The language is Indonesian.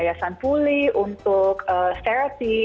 untuk kesehatan pulih untuk therapy